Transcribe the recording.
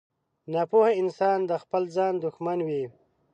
• ناپوه انسان د خپل ځان دښمن وي.